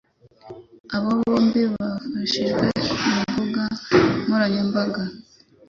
aba bombi bifashishije imbuga nkoranyambaga